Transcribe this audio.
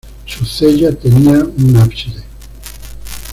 Su cella tenía un ábside.